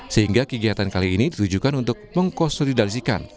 sehingga kegiatan kali ini ditujukan untuk mengkonsolidasikan